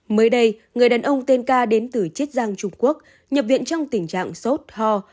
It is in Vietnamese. mới đây người đàn ông tên ca đến từ chiết giang trung quốc nhập viện trong tình trạng sốt ho